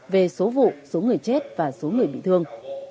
về số vụ số người chết và số người bị thương